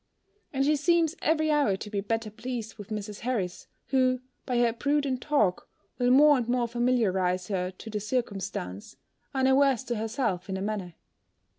And she seems every hour to be better pleased with Mrs. Harris, who, by her prudent talk, will more and more familiarize her to the circumstance, unawares to herself in a manner.